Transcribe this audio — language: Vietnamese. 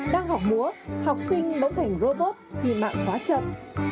đang học múa học sinh bỗng thành robot khi mạng quá chậm